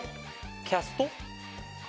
キャスト。